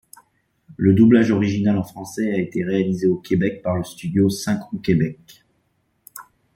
Le doublage original en français a été réalisé au Québec par le studio Synchro-Québec.